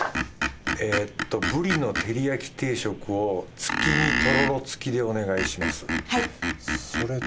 えっとぶりの照焼き定食を月見とろろ付きでお願いします。